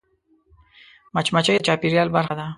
مچمچۍ د چاپېریال برخه ده